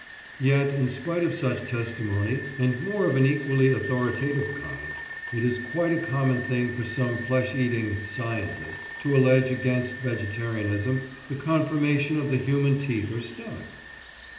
Yet, in spite of such testimony, and more of an equally authoritative kind, it is quite a common thing for some flesh eating "scientist" to allege against vegetarianism the conformation of the human teeth or stomach.